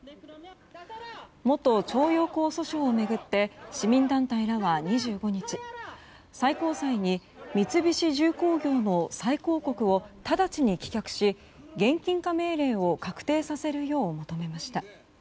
元徴用工訴訟を巡って市民団体らは２５日最高裁に、三菱重工業の再抗告を直ちに棄却し現金化命令を確定させるよう求めました。